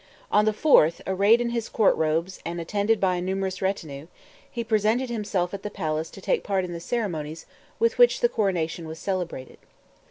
On the fourth, arrayed in his court robes and attended by a numerous retinue, he presented himself at the palace to take part in the ceremonies with which the coronation was celebrated.